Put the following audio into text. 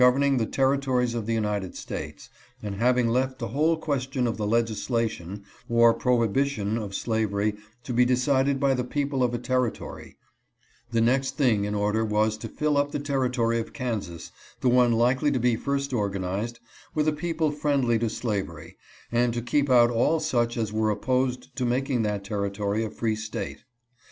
369 erning the Territories of the United States, and having left the whole question of the legislation or prohibition of slavery to be decided by the people of a Territory, the next thing in order was to fill up the Territory of Kan sas— the one likely to be first organized — with a people friendly to slavery, and to keep out all such as were opposed to making that Territory a free State.